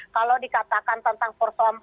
kalau dikatakan tentang peraturan pp ini